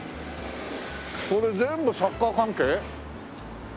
これ全部サッカー関係？